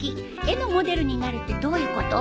絵のモデルになるってどういうこと？